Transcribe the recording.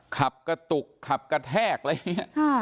ขับกระตุกขับกระแทกอะไรอย่างนี้